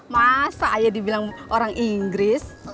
masa ayah dibilang orang inggris